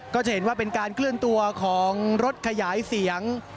ก็จะเห็นว่าเป็นการเคลื่อนตัวของรถขยายเสียง